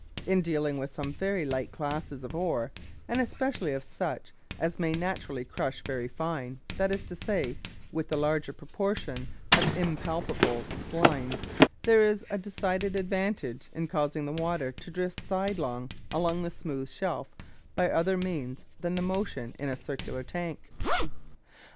In dealing with some very light classes of ore, and especially such as may naturally crush very fine that is to say, with a large proportion of impalpable "slimes" there is a decided advantage in causing the water to drift sidelong on the smooth shelf by other means than the motion in a circular tank.